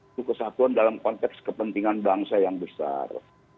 itu kesatuan dalam konteks kepentingan bangsa yang besar